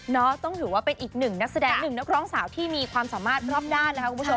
ต้องถือว่าเป็นอีกหนึ่งนักแสดงหนึ่งนักร้องสาวที่มีความสามารถรอบด้านนะคะคุณผู้ชม